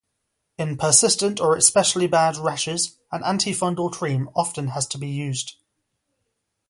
In persistent or especially bad rashes, an antifungal cream often has to be used.